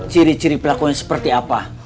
ciri ciri pelakunya seperti apa